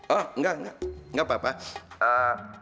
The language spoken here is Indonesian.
oh gak gak gak apa apa